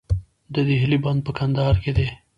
د دهلې بند په کندهار کې دی